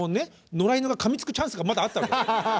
野良犬がかみつくチャンスがまだあったわけ。